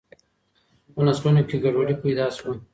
په نسلونو کي ګډوډي پیدا سوه.